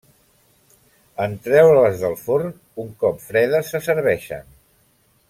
En treure-les del forn, un cop fredes se serveixen.